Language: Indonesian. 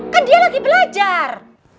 kan dia lagi belajar